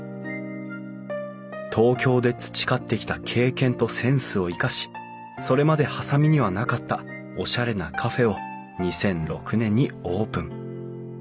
東京で培ってきた経験とセンスを生かしそれまで波佐見にはなかったおしゃれなカフェを２００６年にオープン。